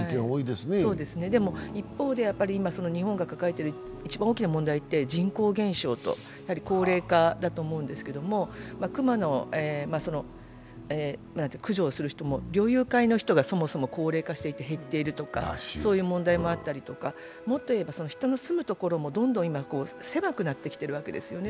でも、一方で今、日本が抱えている一番大きな問題って人口減少と高齢化だと思うんですけれどもクマの駆除をする人も猟友会の人がそもそも高齢化していて減っているとか、そういう問題もあったりとか、もっといえば人の住むところがどんどん今、狭くなってきているわけですよね。